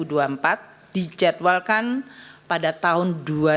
dijadwalkan pada tahun dua ribu dua puluh